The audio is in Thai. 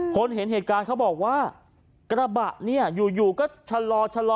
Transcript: เห็นเหตุการณ์เขาบอกว่ากระบะเนี่ยอยู่อยู่ก็ชะลอชะลอ